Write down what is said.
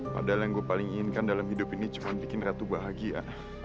padahal yang gue paling inginkan dalam hidup ini cuma bikin ratu bahagia